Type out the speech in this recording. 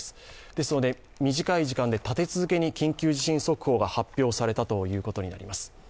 ですので短い時間で立て続けに緊急地震速報が発砲されたということになります。